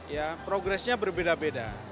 ya progresnya berbeda beda